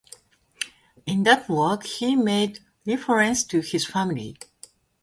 In that work he made references to his family.